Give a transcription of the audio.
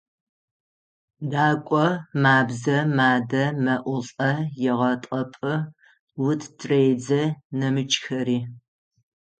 «Дакӏо» – мабзэ, мадэ, мэӏулӏэ, егъэтӏэпӏы, ут тыредзэ, нэмыкӏхэри.